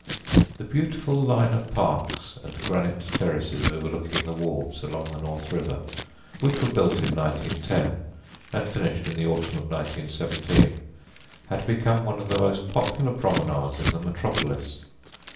The beautiful line of parks and granite terraces overlooking the wharves along the North River, which were built in 1910 and finished in the autumn of 1917, had become one of the most popular promenades in the metropolis.